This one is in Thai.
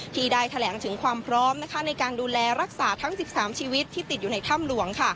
ที่ได้แถลงถึงความพร้อมในการดูแลรักษาทั้ง๑๓ชีวิตที่ติดอยู่ในถ้ำหลวง